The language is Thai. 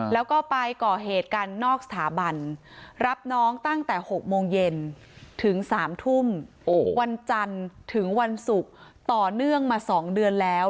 แล้วก็ไปก่อเหตุกันนอกสถาบันรับน้องตั้งแต่๖โมงเย็นถึง๓ทุ่มวันจันทร์ถึงวันศุกร์ต่อเนื่องมา๒เดือนแล้ว